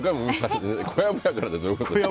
小籔やからってどういうこと。